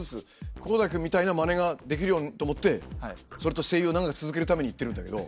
航大君みたいなマネができるようにと思ってそれと声優を長く続けるために行ってるんだけど。